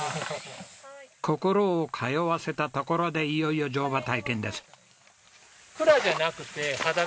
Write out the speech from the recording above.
心を通わせたところでいよいよ乗馬体験です。